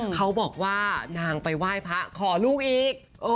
เขาบอกว่านางไปไหว้พระขอลูกอีก